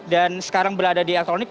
dan sekarang berada di elektronik